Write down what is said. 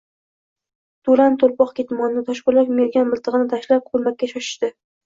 To‘lan to‘lpoq ketmonini, Toshpo‘lat mergan miltig‘ini tashlab, ko‘makka shoshilishdi